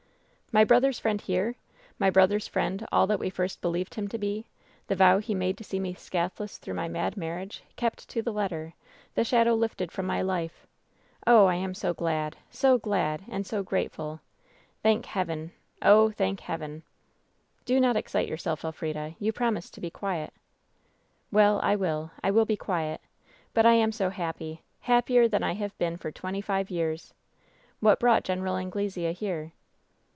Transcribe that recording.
"My brother's friend here ! My brother's friend all that we first believed him to be ! The vow he made to see me scathless through my mad marriage kept to the letter ! The shadow lifted from my life ! Oh I I am so glad — so glad, and so grateful ! Thank Heaven !— oh, thank Heaven I" "Do not excite yourself, Elfrida. You promised to be quiet." "Well, I will. I will be quiet. But I am so happy — happier than I have been for twenty five years 1 What brought Gen. Anglesea here